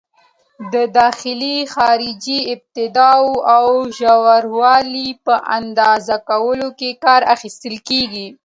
د داخلي، خارجي ابعادو او د ژوروالي په اندازه کولو کې کار اخیستل کېږي.